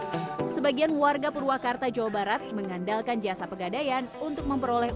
hai sebagian warga purwakarta jawa barat mengandalkan jasa pegadaian untuk memperoleh